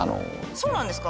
そうなんですか？